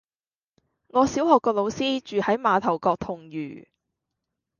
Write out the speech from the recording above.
我小學個老師住喺馬頭角銅璵